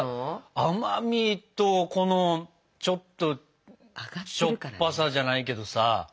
甘みとこのちょっとしょっぱさじゃないけどさ。